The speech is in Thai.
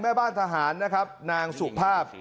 แม่บ้านทหารนะครับนางสุภาพ